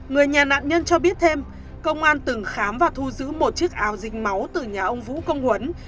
người nhà nạn nhân cho biết thêm công an từng khám và thu giữ một chiếc áo dính máu từ nhà ông vũ công huấn